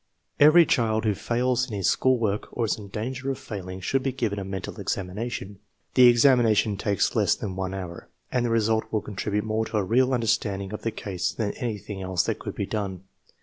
Every child who fails in his school work or is in danger of failing should be given a mental examination. The examina tion takes less than one hour, and the result will con tribute more to a real understanding of the case than any thing else that could be done.